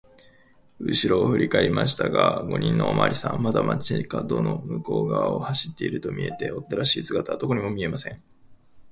うしろをふりかえりましたが、五人のおまわりさんはまだ町かどの向こうがわを走っているとみえて、追っ手らしい姿はどこにも見えません。